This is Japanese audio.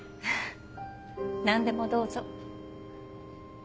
ハァ何でもどうぞ。